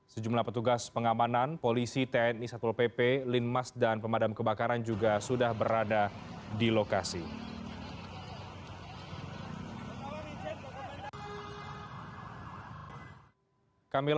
sejumlah petugas pengamanan polisi tni satpol pp linmas dan pemadam kebakaran juga sudah berada di lokasi